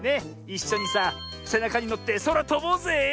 いっしょにさせなかにのってそらとぼうぜえ！